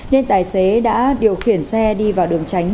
nên tài xế đã điều khiển xe đi vào đường tránh